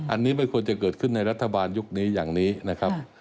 อันนี้ไม่ควรจะเกิดขึ้นในรัฐบาลยุคนี้อย่างนี้นะครับ